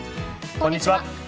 こんにちは。